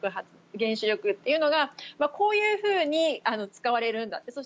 原子力というのがこういうふうに使われるんだと。